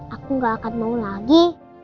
aku nggak akan mau lagi